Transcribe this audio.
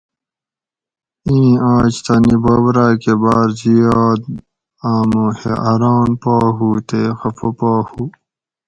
ایں آج تانی بوب راکہ بار زیاد آمو حیران پا ہُو تے خفہ پا ہُو